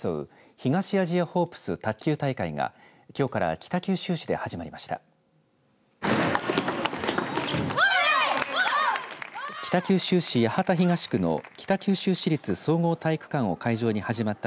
東アジアホープス卓球大会がきょうから北九州市で始まりました。